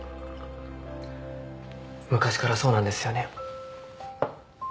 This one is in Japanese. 昔からそうなんですよね。